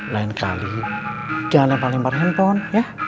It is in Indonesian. lain kali jangan lepar lepar handphone ya